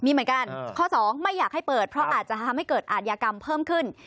มีเหมือนกันข้อสองไม่อยากให้เปิดเพราะอาจจะทำให้เกิดอาทยากรรมเพิ่มขึ้น